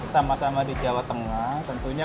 sama sama di jawa tengah tentunya